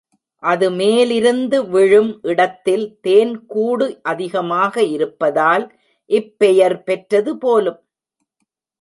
அது மேலிருந்து விழும் இடத்தில் தேன் கூடு அதிகமாக இருப்பதால் இப்பெயர் பெற்றது போலும்.